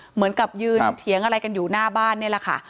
เหมือนกับยืนเถียงอะไรกันอยู่หน้าบ้านนี่แหละค่ะ